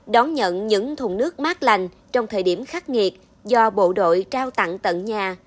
đón nhận những thùng nước mát lành trong thời điểm khắc nghiệt do bộ đội trao tặng tận nhà